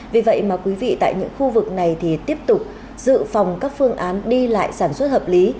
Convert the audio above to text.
vì vậy mà quý vị tại những khu vực này thì tiếp tục dự phòng các phương án đi lại sản xuất hợp lý